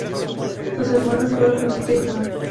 Sus hermanos fueron Paquita y Juan.